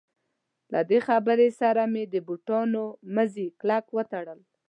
له دې خبرې سره مې د بوټونو مزي کلک وتړل.